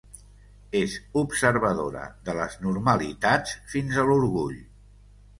És observadora de les normalitats fins a l'orgull